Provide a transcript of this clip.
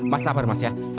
mas sabar mas ya